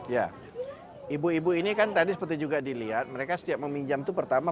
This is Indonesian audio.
ya ibu ibu ini kan tadi seperti juga dilihat mereka setiap meminjam itu pertama